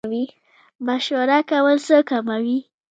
مشوره کول څه کموي؟